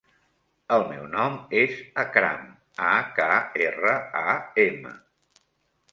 El meu nom és Akram: a, ca, erra, a, ema.